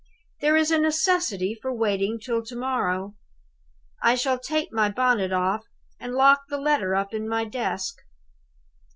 There is a necessity for waiting till to morrow. I shall take my bonnet off, and lock the letter up in my desk."